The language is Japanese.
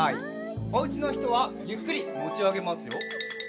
おうちのひとはゆっくりもちあげますよ。